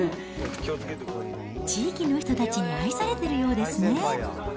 地域の人たちに愛されてるようですね。